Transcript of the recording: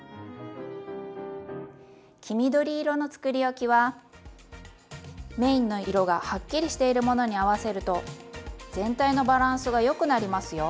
黄緑色のつくりおきはメインの色がはっきりしているものに合わせると全体のバランスがよくなりますよ。